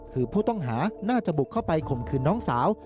คือผู้ต้องหาน่าจะบุกเข้าไปข่มขืนน้องสาว